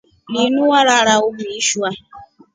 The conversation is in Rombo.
Linu warara uvishwa.